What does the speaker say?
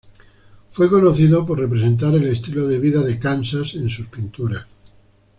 Fue conocido por representar el estilo de vida de Kansas en sus pinturas.